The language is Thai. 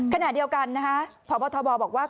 ขณะเดียวกันนะคะพบทบบอกว่า